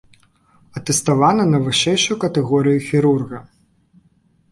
Атэставаны на вышэйшую катэгорыю хірурга.